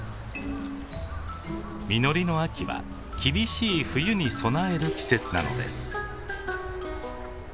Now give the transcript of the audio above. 実りの秋は厳しい冬に備える季節なのです。